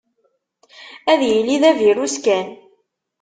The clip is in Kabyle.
Ad yili d avirus kan.